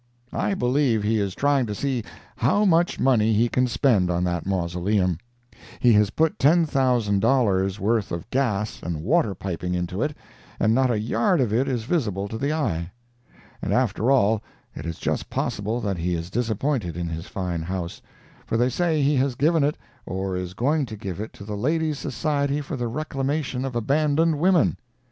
I believe he is trying to see how much money he can spend on that mausoleum. He has put $10,000 worth of gas and water piping into it, and not a yard of it is visible to the eye. And after all, it is just possible that he is disappointed in his fine house, for they say he has given it, or is going to give it to the Ladies' Society for the Reclamation of Abandoned Women.